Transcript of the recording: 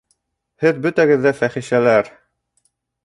Һеҙ бөтәгеҙ ҙә фәхишәләр!